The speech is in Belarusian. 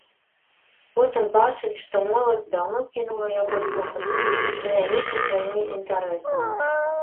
Потым бачыць, што моладзь даўно кінула яго слухаць, заняліся сваімі інтарэсамі.